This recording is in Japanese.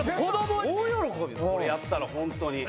これやったら本当に。